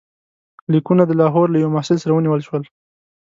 لیکونه د لاهور له یوه محصل سره ونیول شول.